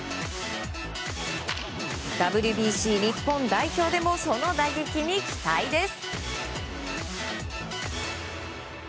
ＷＢＣ日本代表でもその打撃に期待です！